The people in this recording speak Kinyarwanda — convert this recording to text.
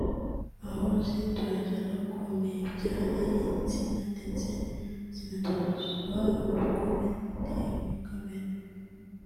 aho zitorezaga ku mibyare y’insina ndetse zinatozwa ubugome ndengakamere